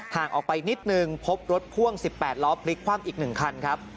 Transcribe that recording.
ห่างออกไปนิดนึงพบรถพ่วง๑๘ล้อพลิกคว่ำอีก๑คันครับ